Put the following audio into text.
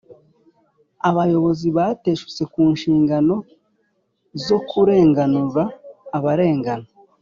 Abayobozi bateshutse kunshingano zokurenganura abarengana